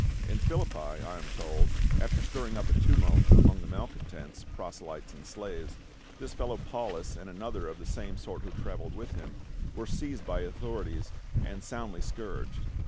In Philippi, I am told, after stirring up a tumult among the malcontents, proselj'tes and slaves, this fellow Paulus and another of the same sort who traveled with him, were seized THE TENT MAKER. 345 by the authorities and soundly scourged.